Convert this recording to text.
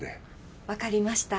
わかりました。